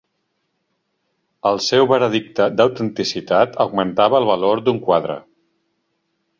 El seu veredicte d'autenticitat augmentava el valor d'un quadre.